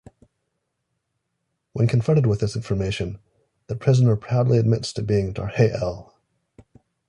When confronted with this information; the prisoner proudly admits to being Darhe'el.